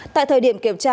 tại thời điểm kiểm tra